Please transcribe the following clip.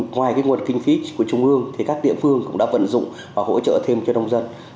ngoài nguồn kinh phí của trung ương thì các địa phương cũng đã vận dụng và hỗ trợ thêm cho nông dân